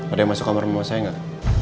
ada yang masuk kamar rumah saya nggak